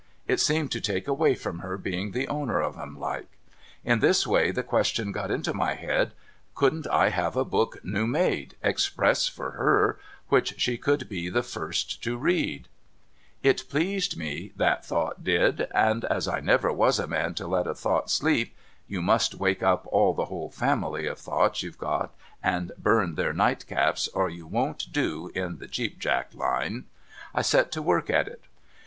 It seemed to take away from her being the owner of 'em like. In this way, the question got into my head : Couldn't I have a book new made express for her, which she should be the first to read ? It pleased me, that thought did ; and as I never was a man to let a thought sleep (you must wake up all the whole family of thoughts you've got and burn their nightcaps, or you won't do in the Cheap Jack line), I set to work at it.